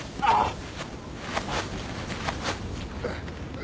あっ。